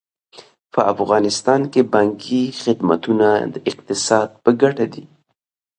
په افغانستان کې بانکي خدمتونه د اقتصاد په ګټه دي.